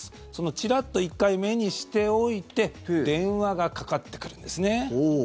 ちらっと１回、目にしておいて電話がかかってくるんですね。